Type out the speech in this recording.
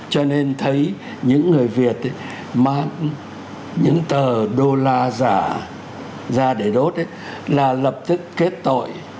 cho nên thấy những người việt mang những tờ đô la giả ra để đốt là lập tức kết tội